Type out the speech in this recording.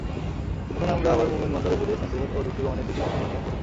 এখন আমরা আবার মুমিন বান্দার উপদেশ, নসীহত ও যুক্তি-প্রমাণের দিকে দৃষ্টি নিক্ষেপ করি।